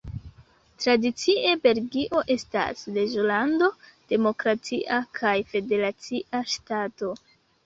Tradicie Belgio estas Reĝolando, demokratia kaj federacia ŝtato.